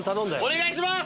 お願いします！